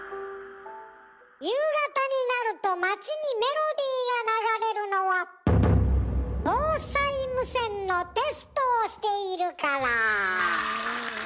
夕方になると街にメロディーが流れるのは防災無線のテストをしているから。